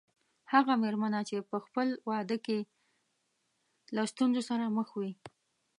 هغه مېرمنه چې په خپل واده کې له ستونزو سره مخ وي.